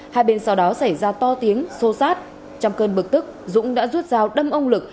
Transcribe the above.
hai bên sau đó xảy ra to tiếng sô sát trong cơn bực tức dũng đã rút dao đâm ông lực